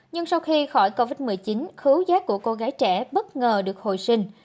nhưng sau khi khỏi covid một mươi chín khứu giác của cô gái trẻ bất ngờ được hồi sinh